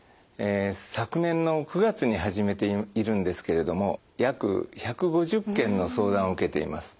昨年の９月に始めているんですけれども約１５０件の相談を受けています。